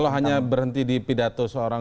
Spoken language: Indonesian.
hanya berhenti di pidato seorang